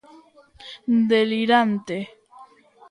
Delirante.